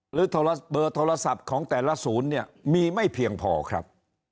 หรือเบอร์โทรศัพท์ของแต่ละศูนย์เนี่ยมีไม่เพียงพอครับ